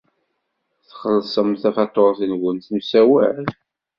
Txellṣem tafatuṛt-nwen n usawal?